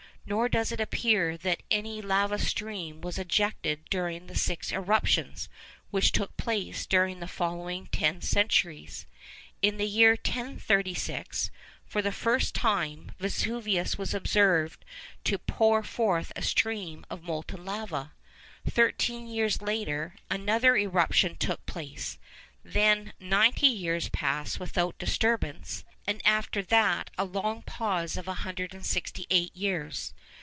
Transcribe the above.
Nor does it appear that any lava stream was ejected during the six eruptions which took place during the following ten centuries. In the year 1036, for the first time, Vesuvius was observed to pour forth a stream of molten lava. Thirteen years later, another eruption took place; then ninety years passed without disturbance, and after that a long pause of 168 years.